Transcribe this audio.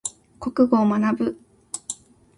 国語を学ぶ。